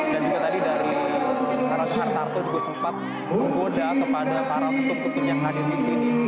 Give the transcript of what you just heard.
dan juga tadi dari arlaga hartarto juga sempat menggoda kepada para ketum ketum yang hadir di sini